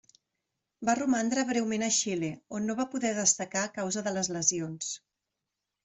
Va romandre breument a Xile, on no va poder destacar a causa de les lesions.